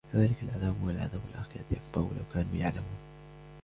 كَذَلِكَ الْعَذَابُ وَلَعَذَابُ الْآخِرَةِ أَكْبَرُ لَوْ كَانُوا يَعْلَمُونَ